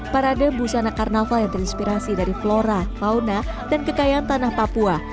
parade busana karnaval yang terinspirasi dari flora fauna dan kekayaan tanah papua